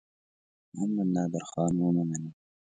محمدنادرخان ومنلم.